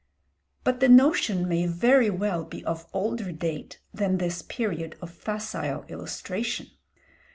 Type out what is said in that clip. But the notion may very well be of older date than this period of facile illustration.